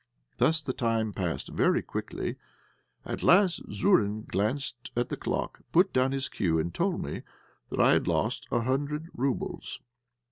Thus the time passed very quickly. At last Zourine glanced at the clock, put down his cue, and told me I had lost a hundred roubles.